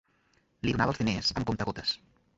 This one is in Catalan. Li donava els diners amb comptagotes.